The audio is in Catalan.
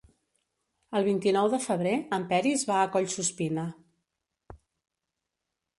El vint-i-nou de febrer en Peris va a Collsuspina.